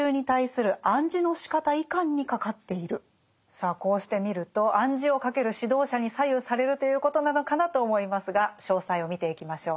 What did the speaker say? さあこうして見ると暗示をかける指導者に左右されるということなのかなと思いますが詳細を見ていきましょう。